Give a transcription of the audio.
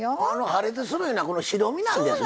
破裂するのはこの白身なんですね。